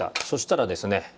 そしたらですね